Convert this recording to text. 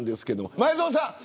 前園さん